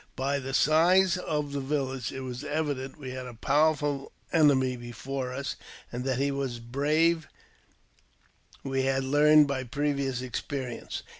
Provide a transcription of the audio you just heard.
By th«dl size of the village, it was evident we had a powerful enemy be ! fore us, and that he was brave we had learned by previous experience.